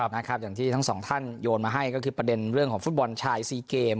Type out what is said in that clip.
อย่างที่ทั้งสองท่านโยนมาให้ก็คือประเด็นเรื่องของฟุตบอลชายซีเกม